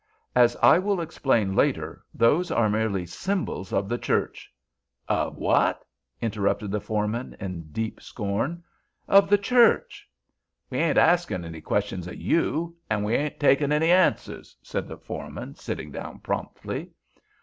As I will explain later, those are merely symbols of the Church—" "Of wot?" interrupted the foreman, in deep scorn. "Of the Church!" "We ain't askin' any questions o' you—and we ain't takin' any answers," said the foreman, sitting down promptly.